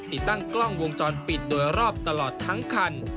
ติดตั้งกล้องวงจรปิดโดยรอบตลอดทั้งคัน